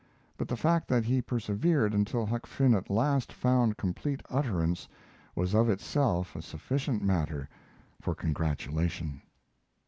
But the fact that he persevered until Huck Finn at last found complete utterance was of itself a sufficient matter for congratulation.